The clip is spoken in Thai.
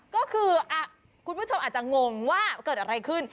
ก็คือคุณผู้ชมอาจจะงงว่าเกิดอะไรขึ้น